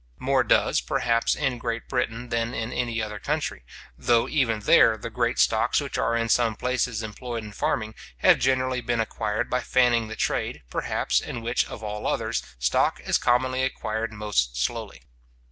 More does, perhaps, in Great Britain than in any other country, though even there the great stocks which are in some places employed in farming, have generally been acquired by fanning, the trade, perhaps, in which, of all others, stock is commonly acquired most slowly.